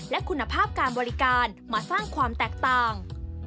และคุณภาพการบริการมาสร้างความแตกต่าง